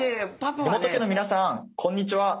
梨本家の皆さんこんにちは。